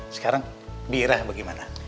sekarang bira bagaimana